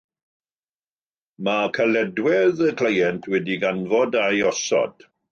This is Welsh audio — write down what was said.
Mae caledwedd y cleient wedi ei ganfod a'i osod.